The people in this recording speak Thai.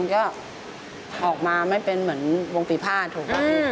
มันก็ออกมาไม่เป็นเหมือนวงศพีภาพถูกปะ